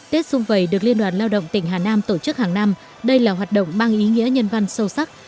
tết xung vầy được liên đoàn lao động tỉnh hà nam tổ chức hàng năm đây là hoạt động mang ý nghĩa nhân văn sâu sắc